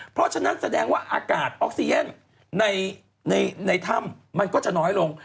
เพราะฉะนั้นแสดงว่าอากาศออกซีเย็นในถ้ำมันก็จะน้อยลง